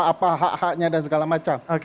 apa hak haknya dan segala macam